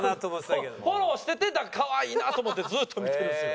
フォローしてて可愛いなと思ってずっと見てるんですよ。